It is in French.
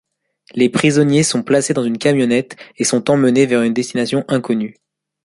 Les prisonniers sont placés dans une camionnette, et sont emmenés vers une destination inconnue.